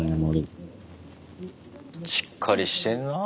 しっかりしてんなぁ。